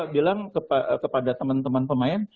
bilang kepada teman teman pemain